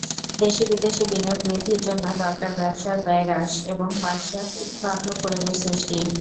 দেশি-বিদেশি বিনিয়োগ বৃদ্ধির জন্য দরকার ব্যবসার ব্যয় হ্রাস এবং ব্যবসাবান্ধব পরিবেশ সৃষ্টি।